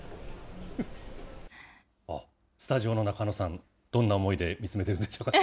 スタジオのナカノさん、どんな思いで見つめてるんでしょうか。